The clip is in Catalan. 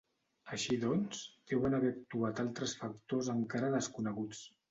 Així doncs, deuen haver actuat altres factors encara desconeguts.